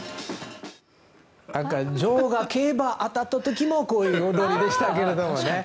女王が競馬に当たった時もこういう踊りでしたけどね。